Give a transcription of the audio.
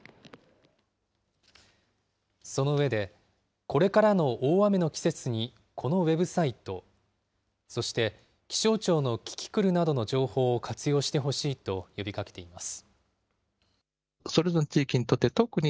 その上で、これからの大雨の季節にこのウェブサイト、そして気象庁のキキクルなどの情報を活用してほしいと呼びかけています。